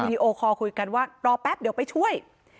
ดีโอคอลคุยกันว่ารอแป๊บเดี๋ยวไปช่วย